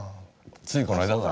ついこの間か。